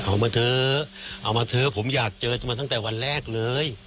เอามาเถอะเอามาเถอะผมอยากเจอจะมาตั้งแต่วันแรกเลย